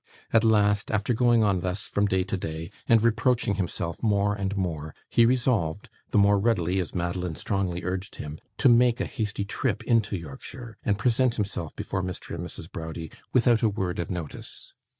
At last, after going on thus from day to day, and reproaching himself more and more, he resolved (the more readily as Madeline strongly urged him) to make a hasty trip into Yorkshire, and present himself before Mr. and Mrs. Browdie without a word of notice.